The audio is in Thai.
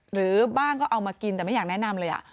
หรือบ้างก็เอามากินแต่ไม่อยากแนะนำเลย